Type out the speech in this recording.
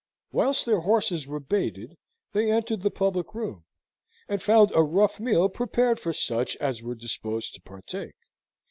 Whilst their horses were baited, they entered the public room, and found a rough meal prepared for such as were disposed to partake.